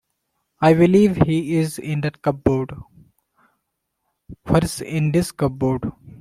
I believe he's in that cupboard. What's in this cupboard?